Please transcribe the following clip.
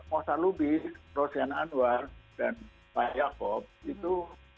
moestar lubis rosian anwar dan pak jakob itu